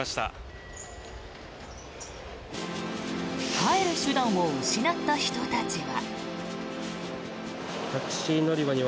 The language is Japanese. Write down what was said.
帰る手段を失った人たちは。